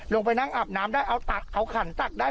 ลงไปนั่งอาบน้ำได้เอาตักเอาขันตักได้